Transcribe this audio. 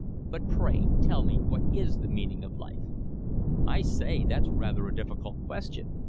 But pray tell me what is the meaning of life?" "I say, that's rather a difficult question.